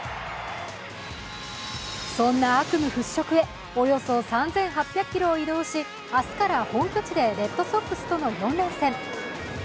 そんな悪夢払拭へ、およそ３８００ｋｍを移動し、明日から本拠地でレッドソックスとの４連戦。